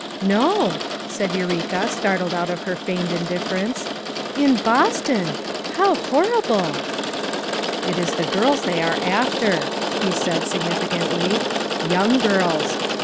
"No," said Eureka, startled out of her feigned indifference. "In Boston! How hor rible I" "It is girls they are after," he said, signifi cantly* "Young girls.